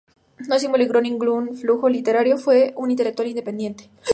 No se involucró a ningún flujo literario; fue un intelectual independiente.